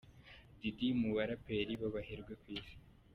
Diddy mu baraperi b’abaherwe ku Isi.